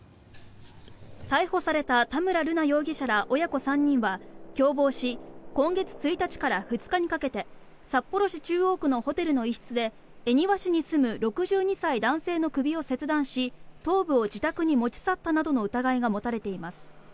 逮捕された田村瑠奈容疑者ら親子３人は共謀し今月１日から２日にかけて札幌市中央区のホテルの一室で恵庭市に住む６２歳男性の首を切断し頭部を自宅に持ち去ったなどの疑いが持たれています。